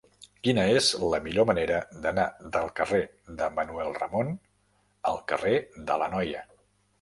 Quina és la millor manera d'anar del carrer de Manuel Ramon al carrer de l'Anoia?